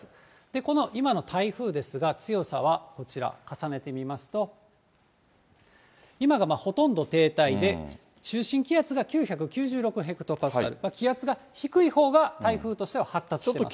この今の台風ですが、強さはこちら、重ねてみますと、今がほとんど停滞で、中心気圧が９９６ヘクトパスカル、気圧が低いほうが台風としては発達しています。